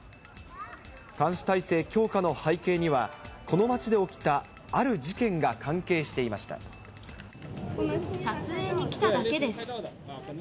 監視体制強化の背景には、この街で起きたある事件が関係していま撮影に来ただけです。